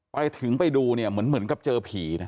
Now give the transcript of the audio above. ไปถึงไปดูเนี่ยเหมือนกับเจอผีนะ